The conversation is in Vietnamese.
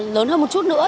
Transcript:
lớn hơn một chút nữa